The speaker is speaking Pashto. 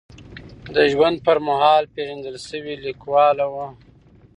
د ژوند پر مهال پېژندل شوې لیکواله وه.